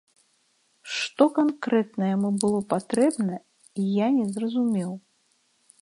Што канкрэтна яму было патрэбна, я не зразумеў.